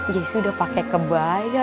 jessy udah pake kebaya